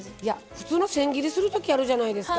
普通の千切りするときあるじゃないですか。